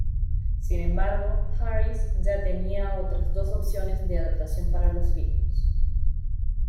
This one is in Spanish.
Sin embargo, Harris ya tenía otras dos opciones de adaptación para los libros.